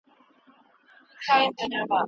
زه یې ستا سترګو کې له ورایه لولم